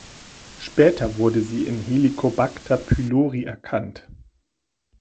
Später wurde sie in Helicobacter pylori erkannt.